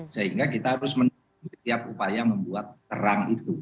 sehingga kita harus menunggu setiap upaya membuat terang itu